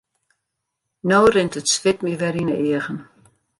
No rint it swit my wer yn 'e eagen.